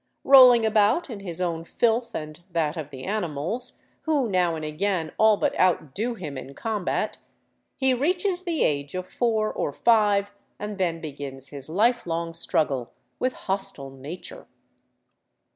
Rolling about In his own filth and that of the animals, who now and again all but outdo him in combat, he reaches the age of four or five, and then begins his life long struggle with hostile nature.